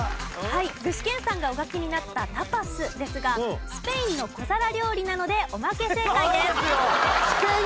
はい具志堅さんがお書きになったタパスですがスペインの小皿料理なのでおまけ正解です。